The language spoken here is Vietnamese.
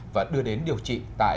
và đưa đến điều trị tại